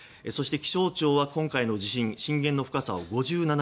そして気象庁は今回の地震震源の深さを５７ｋｍ。